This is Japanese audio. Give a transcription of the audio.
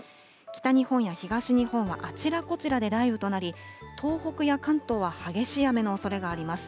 北日本や東日本は、あちらこちらで雷雨となり、東北や関東は激しい雨のおそれがあります。